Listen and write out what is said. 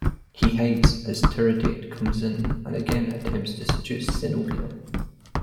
He hides as Tiridate comes in and again attempts to seduce Zenobia.